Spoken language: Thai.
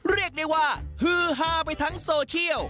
เรียกได้ว่าฮือฮาไปทั้งโซเชียล